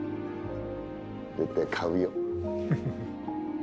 絶対買うよ。